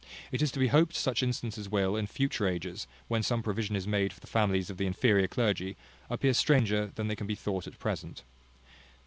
It is to be hoped such instances will, in future ages, when some provision is made for the families of the inferior clergy, appear stranger than they can be thought at present.